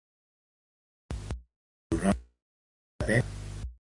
El pronòstic depén de la causa.